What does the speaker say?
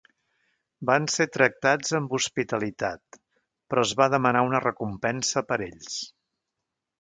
Van ser tractats amb hospitalitat, però es va demanar una recompensa per ells.